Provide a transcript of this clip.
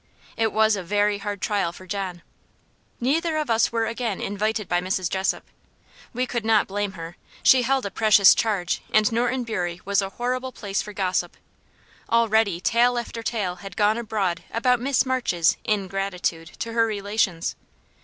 It was a very hard trial for John. Neither of us were again invited by Mrs. Jessop. We could not blame her; she held a precious charge, and Norton Bury was a horrible place for gossip. Already tale after tale had gone abroad about Miss March's "ingratitude" to her relations.